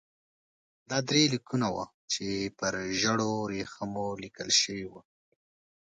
دا درې لیکونه وو چې پر ژړو ورېښمو لیکل شوي وو.